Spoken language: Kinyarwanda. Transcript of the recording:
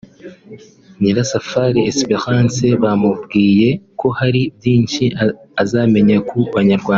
Nyirasafari Esperence bamubwiye ko hari byinshi azamenya ku Banyarwanda